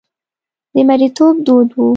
د مریتوب دود و.